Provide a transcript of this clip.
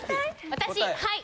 私はい！